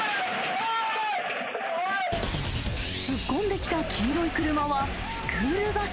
突っ込んできた黄色い車はスクールバス。